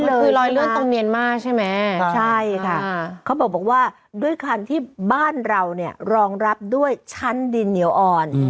คือรอยเลื่อนตรงเมียนมาร์ใช่ไหมใช่ค่ะเขาบอกว่าด้วยคันที่บ้านเราเนี่ยรองรับด้วยชั้นดินเหนียวอ่อน